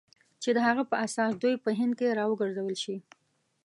چې د هغه په اساس دوی په هند کې را وګرځول شي.